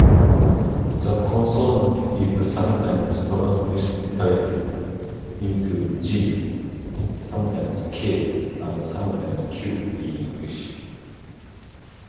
The consonant is sometimes transliterated into "g", sometimes "k", and sometimes "q" in English.